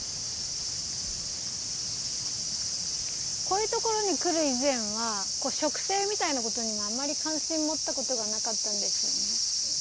こういうところに来る以前は植生みたいなことにはあまり関心持ったことがなかったんですよね。